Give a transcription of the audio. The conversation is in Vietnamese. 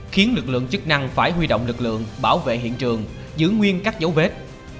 khiến lực lượng chức năng phải huy động lực lượng bảo vệ hiện trường giữ nguyên các dấu vết